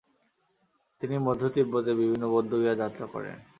তিনি মধ্য তিব্বতের বিভিন্ন বৌদ্ধবিহার যাত্রা করেন।